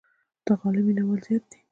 د غالۍ مینوال زیات دي.